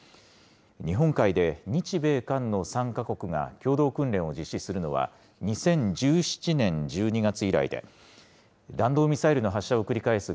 日本海で日米韓の３か国が共同訓練を実施するのは、２０１７年１２月以来で、弾道ミサイルの発射を繰り返す